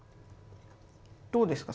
どうですか？